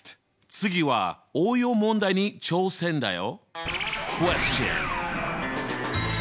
次は応用問題に挑戦だよ。